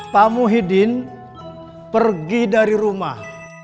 pak muhyiddin pergi dari rumah